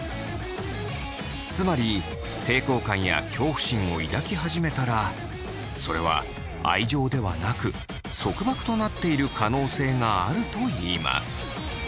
つまり抵抗感や恐怖心を抱き始めたらそれは愛情ではなく束縛となっている可能性があるといいます。